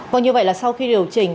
và như vậy là sau khi điều chỉnh